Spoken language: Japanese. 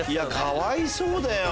かわいそうだよ。